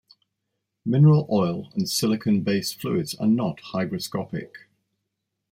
Mineral oil and silicone based fluids are not hygroscopic.